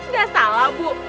gak salah bu